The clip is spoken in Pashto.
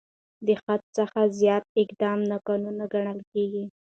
د حد څخه زیات اقدام ناقانونه ګڼل کېږي.